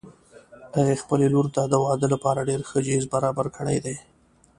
هغې خپلې لور ته د واده لپاره ډېر ښه جهیز برابر کړي دي